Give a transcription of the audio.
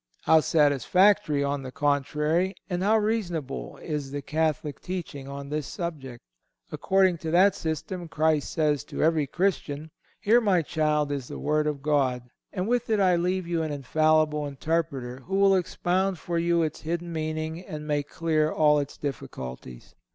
How satisfactory, on the contrary, and how reasonable is the Catholic teaching on this subject! According to that system, Christ says to every Christian: Here, my child, is the Word of God, and with it I leave you an infallible interpreter, who will expound for you its hidden meaning and make clear all its difficulties.